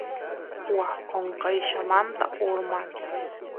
waa qonqayllamanta urman